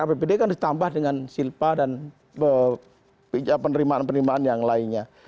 apbd kan ditambah dengan silpa dan penerimaan penerimaan yang lainnya